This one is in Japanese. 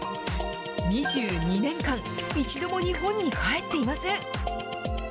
２２年間、一度も日本に帰っていません。